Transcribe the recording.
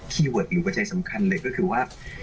คีย์เวิร์ดอีกว่าใจสำคัญเลยก็คือว่า